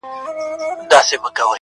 • اوس مي د هغي دنيا ميـر ويـــده دی.